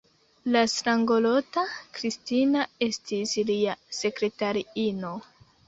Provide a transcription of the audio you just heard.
La strangolota Kristina estis lia sekretariino.